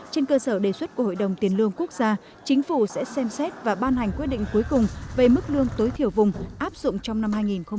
trên cơ sở đề xuất của hội đồng tiền lương quốc gia chính phủ sẽ xem xét và ban hành quyết định cuối cùng về mức lương tối thiểu vùng áp dụng trong năm hai nghìn hai mươi